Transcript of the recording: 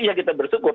iya kita bersyukur